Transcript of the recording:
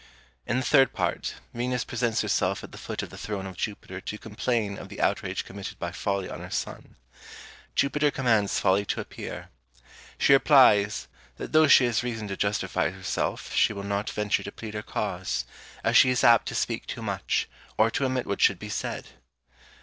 In the third part, Venus presents herself at the foot of the throne of Jupiter to complain of the outrage committed by Folly on her son. Jupiter commands Folly to appear. She replies, that though she has reason to justify herself, she will not venture to plead her cause, as she is apt to speak too much, or to omit what should be said.